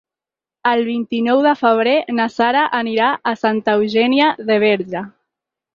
El vint-i-nou de febrer na Sara anirà a Santa Eugènia de Berga.